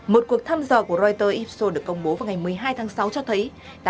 một cuộc thăm dò của reuters ipsos được công bố vào ngày một mươi hai tháng sáu cho thấy